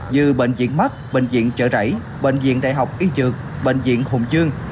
như bệnh viện mắt bệnh viện trợ rảy bệnh viện đại học y trược bệnh viện hùng chương